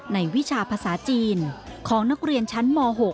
วิชาภาษาจีนของนักเรียนชั้นม๖